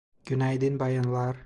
Günaydın bayanlar.